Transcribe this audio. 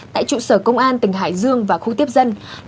tại trụ sở công an tỉnh hải dương và khu tiếp dân